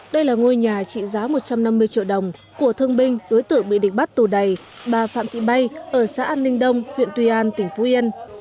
đây là ngôi nhà trị giá một trăm năm mươi triệu đồng của thương binh đối tượng bị địch bắt tù đầy bà phạm thị bay ở xã an ninh đông huyện tuy an tỉnh phú yên